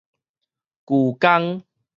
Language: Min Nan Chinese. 衢江